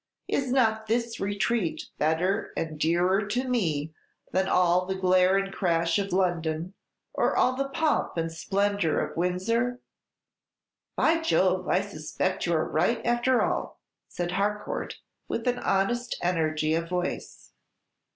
Is not this retreat better and dearer to me than all the glare and crash of London, or all the pomp and splendor of Windsor?" "By Jove! I suspect you are right, after all," said Harcourt, with an honest energy of voice.